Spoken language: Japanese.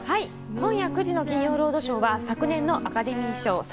今夜９時の『金曜ロードショー』は昨年のアカデミー賞